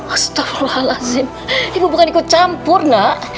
astagfirullahaladzim ibu bukan ikut campur nak